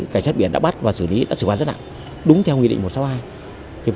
vùng biển đã bắt và xử lý đã xử lý rất nặng đúng theo nguyên định một trăm sáu mươi hai